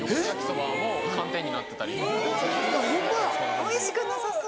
おいしくなさそう。